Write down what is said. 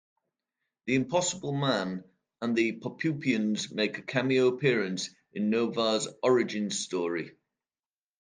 The Impossible Man and the Poppupians make a cameo appearance in Noh-Varr's origin story.